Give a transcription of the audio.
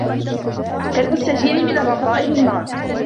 كالمستجير من الرمضاء بالنار